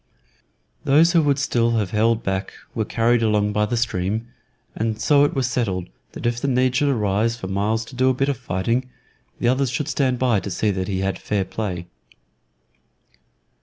Those who would still have held back were carried along by the stream, and so it was settled that if the need should arise for Myles to do a bit of fighting, the others should stand by to see that he had fair play.